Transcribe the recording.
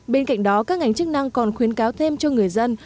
bên cạnh đó các ngành chức năng còn khuyến cáo thêm cho người dân